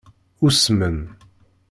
Usmen.